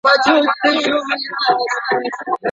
ایا آنلاین زده کړه د مخامخ ټولګیو په پرتله ډیره ستونزمنه ده؟